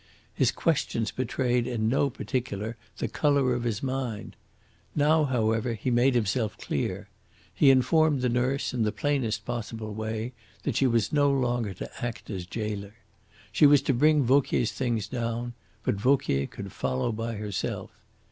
His questions betrayed in no particular the colour of his mind. Now, however, he made himself clear. He informed the nurse, in the plainest possible way, that she was no longer to act as jailer. She was to bring Vauquier's things down; but Vauquier could follow by herself.